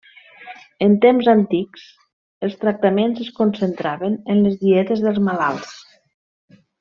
En temps antics, els tractaments es concentraven en les dietes dels malalts.